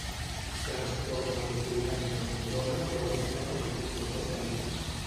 Transports Metropolitans de Barcelona troba amiant en alguns vagons de metro.